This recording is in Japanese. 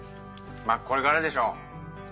まぁこれからでしょ。